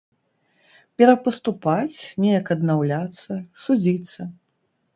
Перапаступаць, неяк аднаўляцца, судзіцца?